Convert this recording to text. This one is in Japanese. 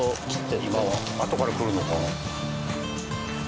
あとから来るのかな？